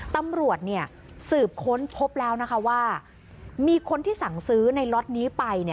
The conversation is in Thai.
ตำรวจสืบค้นพบแล้วนะคะว่ามีคนที่สั่งซื้อในล็อตนี้ไป